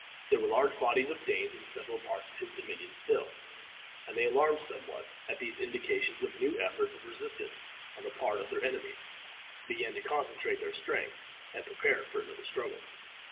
There were large bodies of Danes in several parts of his dominions still, and they, alarmed somewhat at these indications of new efforts of resistance on the part of their enemies, began to concentrate their strength and prepare for another struggle.